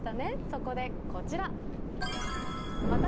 そこでこちら。